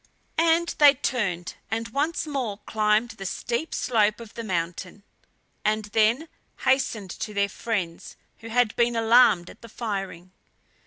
And they turned, and once more climbed the steep slope of the mountain, and then hastened to their friends who had been alarmed at the firing.